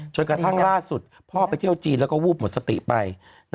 จนกระทั่งล่าสุดพ่อไปเที่ยวจีนแล้วก็วูบหมดสติไป